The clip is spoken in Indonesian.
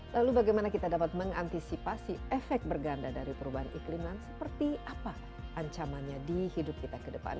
lalu bagaimana kita dapat mengantisipasi efek berganda dari perubahan ikliman seperti apa ancamannya di hidup kita ke depan